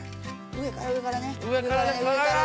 上から上から。